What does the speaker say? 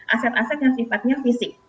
aset aset yang sifatnya fisik